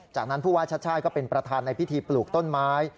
จากนั้นผู้ว่าชาติชาติก็เป็นประธานในพิธีปลูกต้นไม้